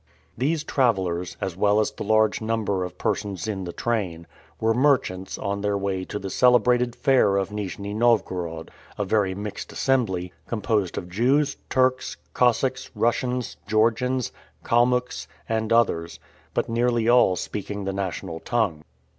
These travelers, as well as the large number of persons in the train, were merchants on their way to the celebrated fair of Nijni Novgorod; a very mixed assembly, composed of Jews, Turks, Cossacks, Russians, Georgians, Kalmucks, and others, but nearly all speaking the national tongue.